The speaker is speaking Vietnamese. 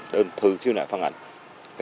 đơn thư khiếu nại phản ảnh